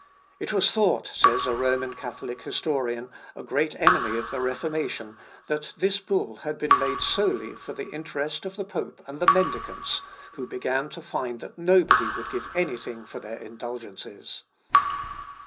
"It was thought," says a Roman Catholic historian, a great enemy of the Reformation, "that this bull had been made solely for the interest of the pope and the mendicants, who began to find that nobody would give anything for their indulgences."